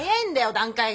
段階が。